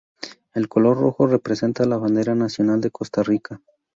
El color rojo representa a la bandera nacional de Costa Rica.